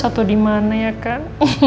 atau dimana ya kan